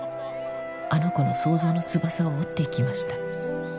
「あの子の創造の翼を折っていきました」